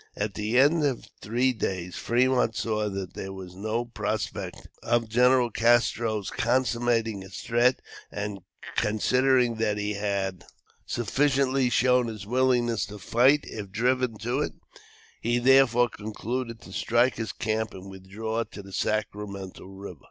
At the end of three days, Fremont saw that there was no prospect of Gen. Castro's consummating his threat; and, considering that he had sufficiently shown his willingness to fight if driven to it, he therefore concluded to strike his camp and withdraw to the Sacramento River.